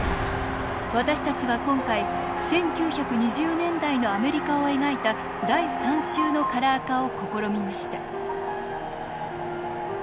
私たちは今回１９２０年代のアメリカを描いた第３集のカラー化を試みました。